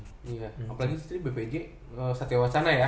apalagi bpj satya wacana ya